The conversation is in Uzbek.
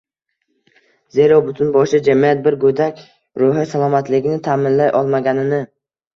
Zero butun boshli jamiyat bir go‘dak ruhi salomatligini ta’minlay olmaganini